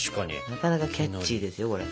なかなかキャッチーですよこれ。